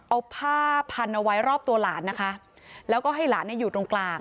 เอาผ้าพันเอาไว้รอบตัวหลานนะคะแล้วก็ให้หลานเนี่ยอยู่ตรงกลาง